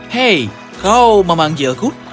hei kau memanggilku